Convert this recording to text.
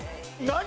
何？